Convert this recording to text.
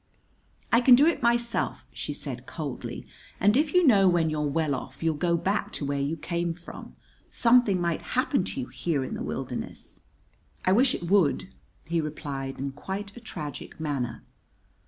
"I can do it myself," she said coldly; "and if you know when you're well off you'll go back to where you came from. Something might happen to you here in the wilderness." "I wish it would," he replied in quite a tragic manner.